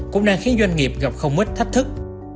cũng đang khiến doanh nghiệp gặp không ít thách thức